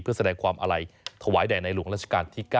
เพื่อแสดงความอาลัยถวายแด่ในหลวงราชการที่๙